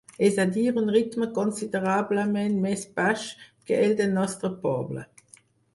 És a dir, un ritme considerablement més baix que el del nostre poble.